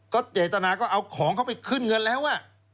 เจตนาก็เอาของเขาไปขึ้นเงินแล้ว